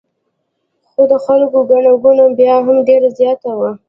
خو د خلکو ګڼه ګوڼه بیا هم ډېره زیاته وه.